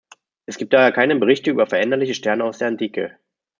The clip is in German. Es gibt daher keine Berichte über veränderliche Sterne aus der Antike.